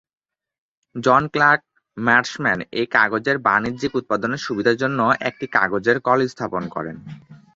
জন Clark Marshman এই কাগজের বাণিজ্যিক উৎপাদনের সুবিধার জন্য একটি কাগজের কল স্থাপন করেন।